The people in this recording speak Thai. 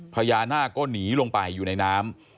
พญานาคก็หนีลงไปอยู่ในน้ำ